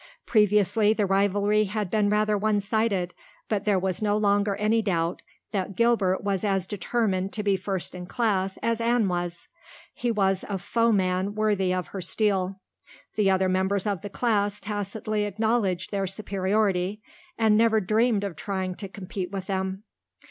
Previously the rivalry had been rather one sided, but there was no longer any doubt that Gilbert was as determined to be first in class as Anne was. He was a foeman worthy of her steel. The other members of the class tacitly acknowledged their superiority, and never dreamed of trying to compete with them.